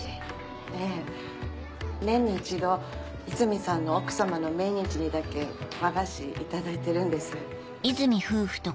ええ年に１度泉さんの奥さまの命日にだけ和菓子頂いてるんです。